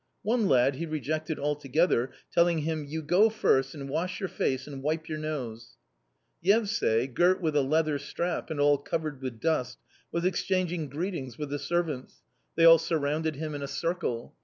One lad he rejected altogether, telling him, "you go first and wash your face and wipe your nose." Yevsay, girt with a leather strap and all covered with dust, was exchanging greetings with the servants ; they all surrounded him in a circle.